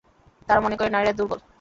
তারা মনে করে নারীরা দুর্বল।